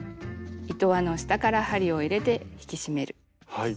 はい。